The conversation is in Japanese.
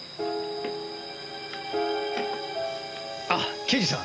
あっ刑事さん